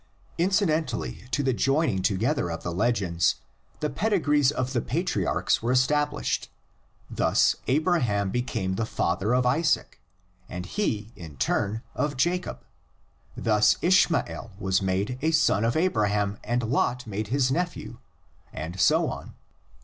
Incidentally to the joining together of the legends the pedigrees of the patriarchs were established: thus Abraham became the father of Isaac, and he in turn of Jacob; thus Ishmael was made a son of Abraham and Lot made his nephew, and so on.